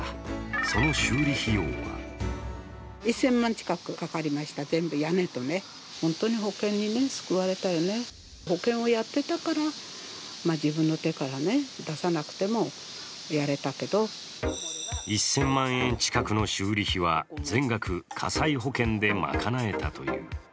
その修理費用は１０００万円近くの修理費は全額火災保険で賄えたという。